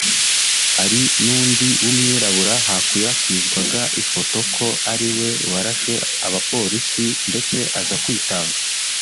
Hari n’undi w’umwirabura hakwirakwizwaga ifoto ko ariwe warashe abapolisi ndetse aza kwitanga